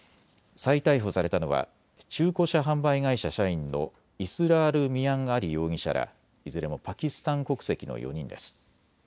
再逮捕されたのは中古車販売会社社員のイスラール・ミアン・アリ容疑者らいずれもパキスタン国籍の４人です。